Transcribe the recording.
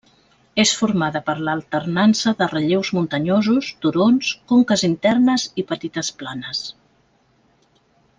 És formada per l'alternança de relleus muntanyosos, turons, conques internes i petites planes.